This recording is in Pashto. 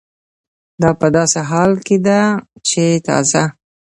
دا په داسې حال کې ده چې تازه